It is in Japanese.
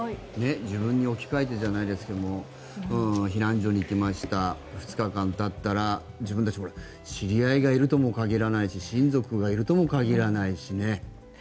自分に置き換えてじゃないですが避難所に行きました２日間たったら自分たちに知り合いがいるとも限らないし親族がいるとも限らないしね。